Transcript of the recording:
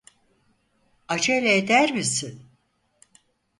Acele eder misin?